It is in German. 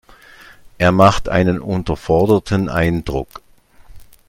Er macht einen unterforderten Eindruck.